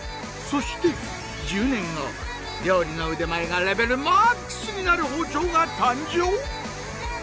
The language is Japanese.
そして１０年後料理の腕前がレベルＭＡＸになる包丁が誕生！？